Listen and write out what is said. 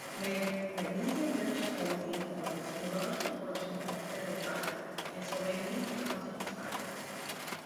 Magnesium-rich olivine forms a large proportion of peridotite, and so magnesium content is high.